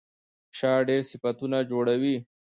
شا ډېر صفتونه جوړوي.